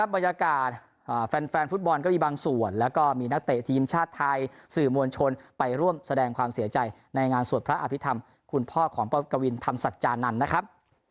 บรรยากาศแฟนฟุตบอลก็มีบางส่วนแล้วก็มีนักเตะทีมชาติไทยสื่อมวลชนไปร่วมแสดงความเสียใจในงานสวดพระอภิษฐรรมคุณพ่อของป๊อกกวินธรรมสัจจานันทร์นะครับ